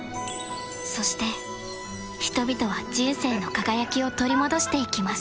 そして人々は人生の輝きを取り戻していきます